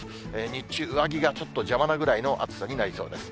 日中、上着がちょっと邪魔なぐらいの暑さになりそうです。